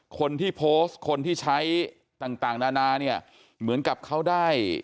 คนที่โพสต์คนที่ใช้ต่างนานาเนี่ยเหมือนกับเขาได้